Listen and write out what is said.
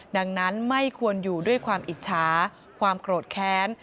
ดังนั้นไม่ควรอยู่ด้วยความอิจฉาความโกรธแค้น